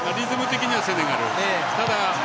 リズム的にはセネガル。